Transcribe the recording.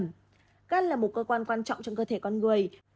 sán lá gan là một cơ quan quan trọng trong cơ thể con người